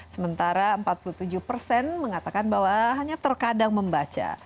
sementara empat puluh tujuh persen mengatakan bahwa hanya terkadang membaca